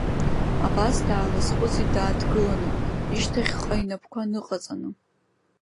Абас даалызхәыцит дааҭгыланы, ишьҭахьҟа инапқәа ныҟаҵаны.